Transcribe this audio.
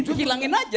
jadi hilangin aja